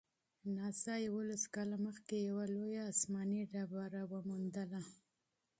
ناسا یوولس کاله مخکې یوه لویه آسماني ډبره کشف کړه.